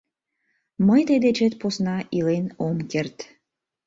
Мый тый дечет посна илен ом керт...